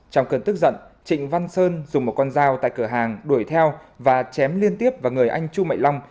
trong cơn tức giận trịnh văn sơn dùng một con dao tại cửa hàng đuổi theo và chém liên tiếp vào người anh chu mạnh long